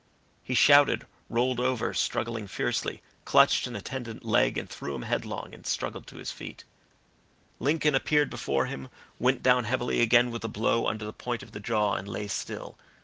He shouted, rolled over, struggling fiercely, clutched an attendant's leg and threw him headlong, and struggled to his feet. Lincoln appeared before him, went down heavily again with a blow under the point of the jaw and lay still.